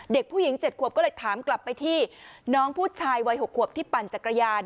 เด็กผู้หญิง๗ขวบก็เลยถามกลับไปที่น้องผู้ชายวัย๖ขวบที่ปั่นจักรยาน